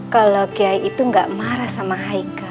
kalau kiai itu gak marah sama haika